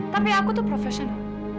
tapi aku tuh profesional